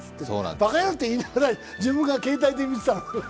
ばかやろう！って言いながら、自分が携帯で見てたり。